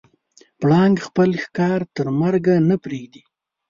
پړانګ خپل ښکار تر مرګه نه پرېږدي.